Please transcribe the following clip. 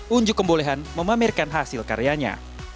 unjuk kebolehan memamerkan hasil karyanya